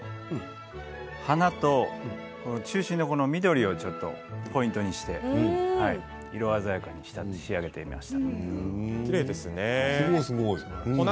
花と中心の緑をちょっとポイントにして色鮮やかに仕上げてみました。